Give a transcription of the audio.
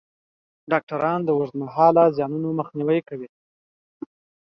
ډاکټران د اوږدمهاله زیانونو مخنیوی کوي.